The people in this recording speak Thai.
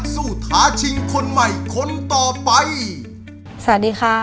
สวัสดีค่ะ